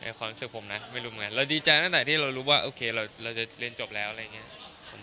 ความรู้สึกผมนะไม่รู้เหมือนกันเราดีใจตั้งแต่ที่เรารู้ว่าโอเคเราจะเรียนจบแล้วอะไรอย่างนี้